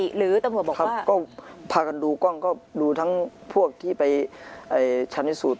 ใช่ครับก็พากันดูกล้องคือดูทั้งพวกที่ไปชันเยซู